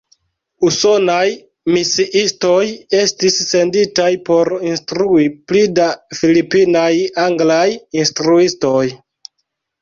Usonaj misiistoj estis senditaj por instrui pli da filipinaj anglaj instruistoj.